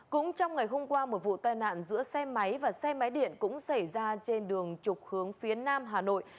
cũng trong ngày hôm qua một vụ tai nạn giữa xe máy và xe máy điện cũng xảy ra trên đường trục hướng phía nam hà nội